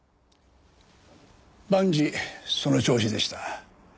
万事その調子でした。